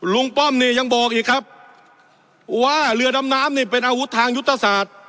ลุงป้อมเนี่ยยังบอกอีกครับว่าเรือดำน้ำน้ำเนี่ยเป็นอาวุธทางยุตสาธารณ์